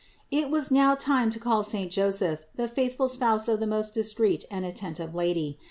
485. It was now time to call saint Joseph, the faithful spouse of the most discreet and attentive Lady.